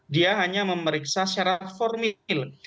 dia hanya memeriksa secara formil